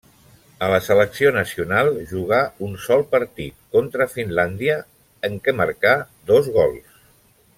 A la selecció nacional jugà un sol partit, contra Finlàndia, en què marcà dos gols.